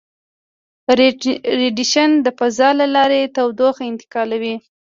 ریډیشن د فضا له لارې تودوخه انتقالوي.